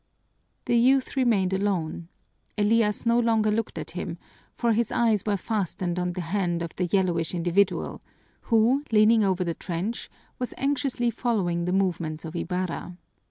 The youth remained alone. Elias no longer looked at him, for his eyes were fastened on the hand of the yellowish individual, who, leaning over the trench, was anxiously following the movements of Ibarra.